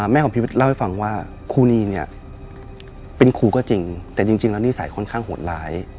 แม่ของพี่วิทย์เล่าให้ฟังว่าครูนีเนี่ยเป็นครูก็จริงแต่จริงแล้วนิสัยค่อนข้างโหดร้าย